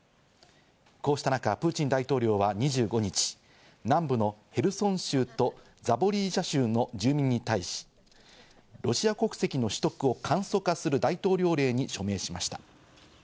こうした中、プーチン大統領は２５日、南部のヘルソン州とザポリージャ州の住民に対し、ロシア国籍の取得を簡素化する大統領令に署名しました。